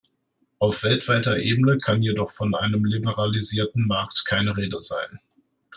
Auf weltweiter Ebene kann jedoch von einem liberalisierten Markt keine Rede sein.